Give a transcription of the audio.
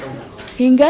hingga setelah ini